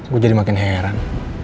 gue jadi makin heran